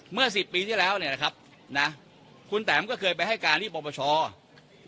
เมื่อสิบปีที่แล้วเนี่ยนะครับนะคุณแตมก็เคยไปให้การที่ปรปช